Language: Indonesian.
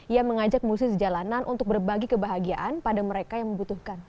ia mengajak musisi jalanan untuk berbagi kebahagiaan pada mereka yang membutuhkan